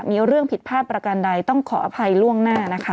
มีเรื่องผิดพลาดประกันใดต้องขออภัยล่วงหน้านะคะ